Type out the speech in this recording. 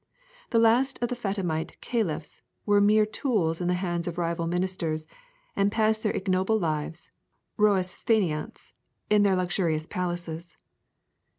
The last of the Fatimite caliphs were mere tools in the hands of rival ministers, and passed their ignoble lives Rois Fainéants in their luxurious palaces.